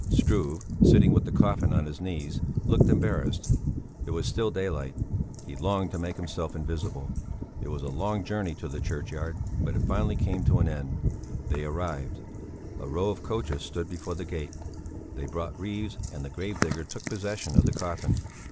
Struve, sitting with the coffin on his knees, looked embarrassed; it was still daylight; he longed to make himself invisible. It was a long journey to the churchyard, but it finally came to an end. They arrived. A row of coaches stood before the gate. They bought wreaths and the gravedigger took possession of the coffin.